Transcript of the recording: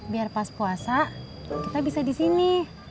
biar pas puasa kita bisa di sini